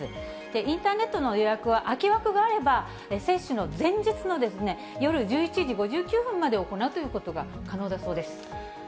インターネットの予約は空き枠があれば、接種の前日の夜１１時５９分まで行うということが可能だそうです。